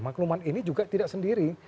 maklumat ini juga tidak sendiri